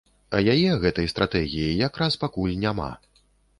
А яе, гэтай стратэгіі, якраз пакуль няма.